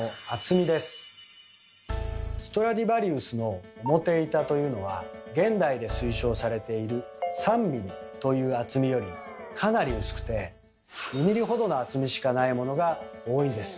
ストラディヴァリウスの表板というのは現代で推奨されている３ｍｍという厚みよりかなり薄くて２ｍｍほどの厚みしかないものが多いんです。